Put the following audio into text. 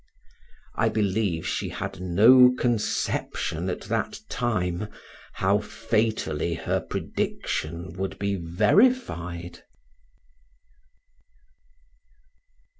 I believe she had no conception at that time how fatally her prediction would be verified.